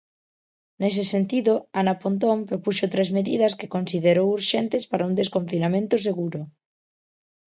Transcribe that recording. Nese sentido, Ana Pontón propuxo tres medidas que considerou urxentes para un desconfinamento seguro.